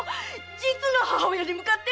実の母親に向かって！